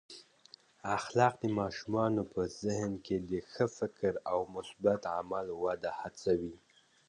اخلاق د ماشومانو په ذهن کې د ښه فکر او مثبت عمل وده هڅوي.